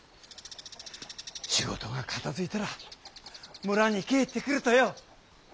仕事が片づいたら村に帰ってくるとよ。